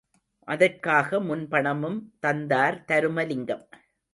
அதற்காக முன்பணமும் தந்தார் தருமலிங்கம்.